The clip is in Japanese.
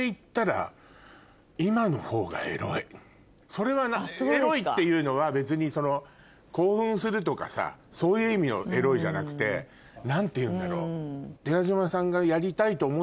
それはエロいっていうのは別にその興奮するとかそういう意味のエロいじゃなくて何ていうんだろう。